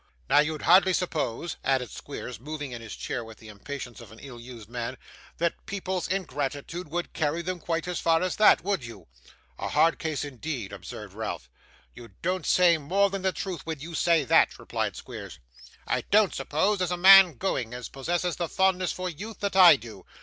Now, you'd hardly suppose,' added Squeers, moving in his chair with the impatience of an ill used man, 'that people's ingratitude would carry them quite as far as that; would you?' 'A hard case, indeed,' observed Ralph. 'You don't say more than the truth when you say that,' replied Squeers. 'I don't suppose there's a man going, as possesses the fondness for youth that I do.